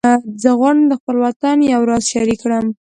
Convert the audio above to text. زه غواړم د خپل باطن یو راز شریک کړم